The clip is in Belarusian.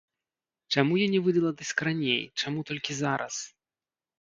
Чаму я не выдала дыск раней, чаму толькі зараз?